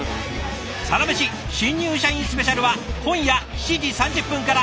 「サラメシ新入社員スペシャル」は今夜７時３０分から！